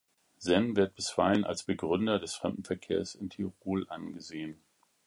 Senn wird bisweilen als Begründer des Fremdenverkehrs in Tirol angesehen.